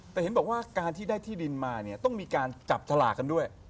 แต่เห็นบอกว่าการที่ได้ที่ดินมาเนี่ยต้องมีการจับฉลากกันด้วย